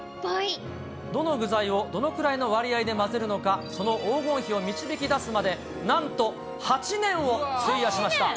どの具材をどのくらいの割合で混ぜるのか、その黄金比を導き出すまで、なんと８年を費やしました。